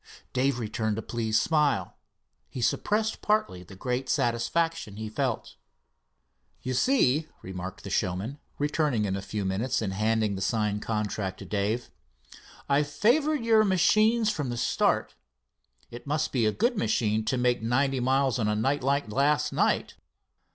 Dave returned a pleased smile. He suppressed partly the great satisfaction he felt. "You see," remarked the showman, returning in a few minutes and handing the signed contract to Dave, "I favored your machines from the start. It must be a good machine, to make ninety miles on a night like last night.